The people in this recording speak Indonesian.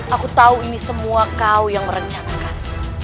aku tahu ini semua kau yang merencanakan